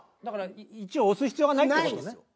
だから一応押す必要がないって事ね。